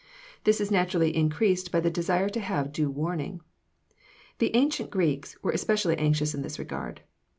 This is naturally increased by the desire to have due warning. The ancient Greeks were especially anxious in this regard.